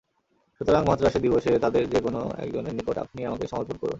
সুতরাং, মহাত্রাসের দিবসে তাদের যে কোন একজনের নিকট আপনি আমাকে সমর্পণ করুন।